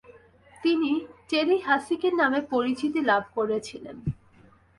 তিনি "Teli Haseki" নামে পরিচিতি লাভ করেছিলেন।